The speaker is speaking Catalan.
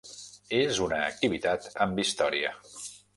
És una activitat amb història.